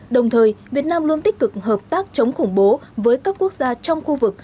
đồng thời việt nam luôn tích cực hợp tác chống khủng bố với các quốc gia trong khu vực